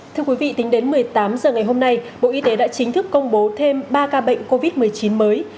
thưa quý vị tính đến một mươi tám h ngày hôm nay bộ y tế đã chính thức công bố thêm ba ca bệnh covid một mươi chín mới